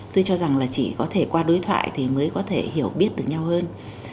tôi cho rằng là chỉ có thể qua đối thoại thì mới có thể hiểu biết được nhau hơn